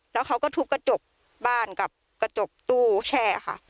แล้วเขาก็ทุบกระจกบ้านกับกระจกตู้แช่ค่ะ